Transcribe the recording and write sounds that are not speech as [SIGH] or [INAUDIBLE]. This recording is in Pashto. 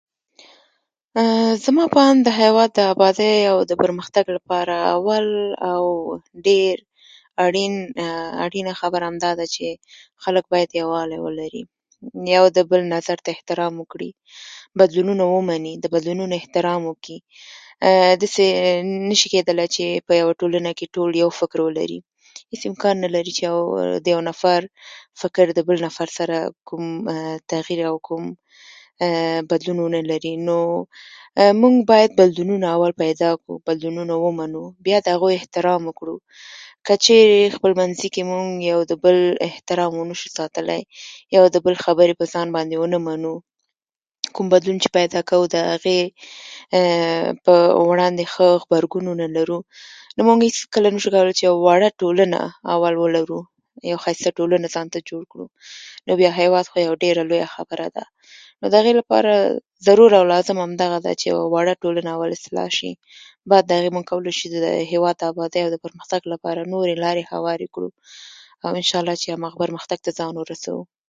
[HESITATION] زما په اند، د هېواد د ابادۍ او د پرمختګ لپاره اول او ډېر اړينه خبره دا ده چې خلک یووالی ولري، او یو د بل نظر ته احترام وکړي، بدلونونه ومني، د بدلونونو احترام وکړي. [HESITATION] داسې نشي کیدلای چې په یوه ټولنه کې یو فکر ولري. هيڅ امکان نه لري چې د یو یو نفر فکر د بل نه ښه، د بل سره کوم تغیر او کوم بدلون ونه لري. نو مونږ باید بدلونونه اول پیدا کړو، بدلونونه ومنو، بیا د هغوی احترام وکړو. که چېرې خپلمنځي کې مونږ د یوبل احترام ونشو ساتلی، یو د بل خبرې په ځان باندې ونه منو، کوم بدلون چې پیدا کوو، د هغې [HESITATION] په وړاندې ښه غبرګونونه لرو، نو موږ هيڅکله نشو کولای چې وړه ټولنه اول ولرو، یو ښایسته ټولنه ځان ته جوړ کړو. نو بیا هېواد خو یوه لویه خبره ده. نو د هغې لپاره ضرور او لازم همدغه ده چې یو وړه ټولنه اول اصلاح شي، بعد د هغې موږ کولای شو چې د هېواد ابادۍ او پرمختګ لپاره نورې لارې هوارې کو، او انشاالله چې هماغه پرمختګ ته ځان ورسوو.